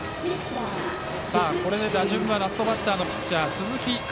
これで打順はラストバッターのピッチャー鈴木佳